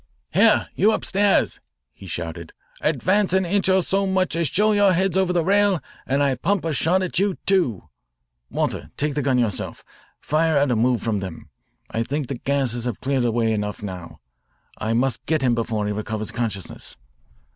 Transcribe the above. Here, you upstairs," he shouted, "advance an inch or so much as show your heads over the rail and I pump a shot at you, too. Walter, take the gun yourself. Fire at a move from them. I think the gases have cleared away enough now. I must get him before he recovers consciousness.